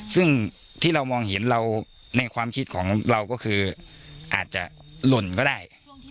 ซึ่งที่เรามองเห็นเราในความคิดของเราก็คืออาจจะหล่นก็ได้